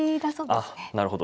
あなるほど。